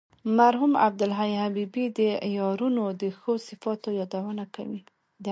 مرحوم عبدالحی حبیبي د عیارانو د ښو صفاتو یادونه کوي.